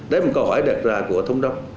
đấy là một câu hỏi đặt ra của thống đốc